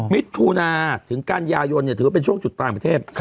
มิตรทูนาถึงการยายนถือว่าเป็นช่วงจุดตายของประเทศ